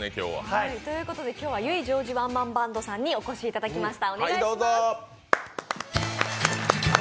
今日は油井ジョージワンマンバンドさんにお越しいただきました。